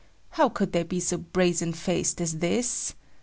How could they be so brazen faced as this!